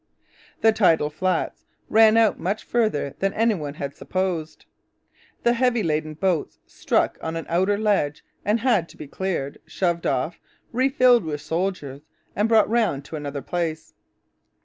The tidal flats ran out much farther than any one had supposed. The heavily laden boats stuck on an outer ledge and had to be cleared, shoved off, refilled with soldiers, and brought round to another place.